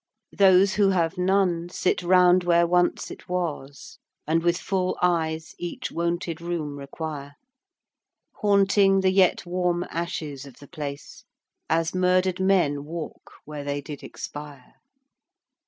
Those who have none sit round where once it was And with full eyes each wonted room require: Haunting the yet warm ashes of the place, As murdered men walk where they did expire.